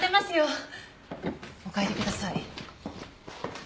お帰りください。